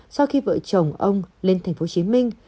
sau khi vợ chồng ông lên thành phố hồ chí minh